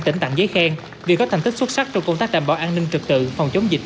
tỉnh tặng giấy khen vì có thành tích xuất sắc trong công tác đảm bảo an ninh trực tự phòng chống dịch